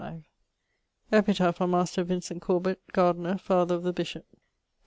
Epitaph on master Vincent Corbet, gardiner, father of the bishop: B.